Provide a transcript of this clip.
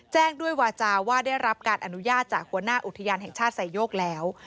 แจ้งด้วยวาจาว่าได้รับการอนุญาตจากหัวหน้าอุทยานแห่งชาติไซโยกแล้ว